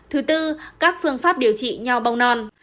thứ tư các phương pháp điều trị nho bông non